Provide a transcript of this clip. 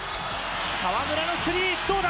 河村のスリー、どうだ？